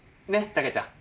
竹ちゃん。